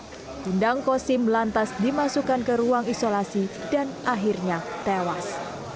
untuk mencoba undang posim lantas dimasukkan ke ruang isolasi dan akhirnya tewas